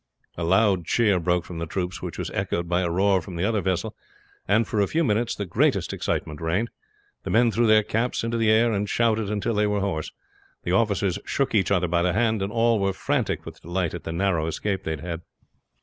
A loud cheer broke from the troops, which was echoed by a roar from the other vessel; and for a few minutes the greatest excitement reigned. The men threw their caps into the air, and shouted until they were hoarse. The officers shook each other by the hand, and all were frantic with delight at the narrow escape they had had.